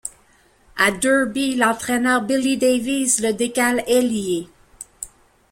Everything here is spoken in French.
À Derby, l'entraîneur Billy Davies, le décale ailier.